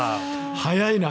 早いな。